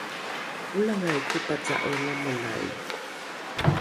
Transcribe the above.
olangai kopaca’e lamolai